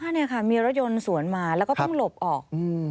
นี่ค่ะมีรถยนต์สวนมาแล้วก็เพิ่งหลบออก